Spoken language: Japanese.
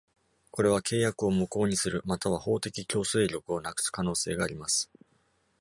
これは契約を無効にする、または法的強制力をなくす可能性があります。